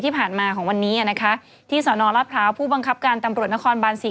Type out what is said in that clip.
ที่ผ่านมาของวันนี้นะคะที่สนรัฐพร้าวผู้บังคับการตำรวจนครบานสี่